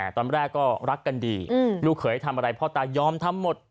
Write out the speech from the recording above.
ตอนแรกก็รักกันดีลูกเขยทำอะไรพ่อตายอมทำหมด